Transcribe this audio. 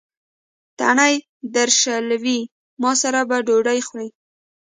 تڼۍ درشلوي: ما سره به ډوډۍ خورې.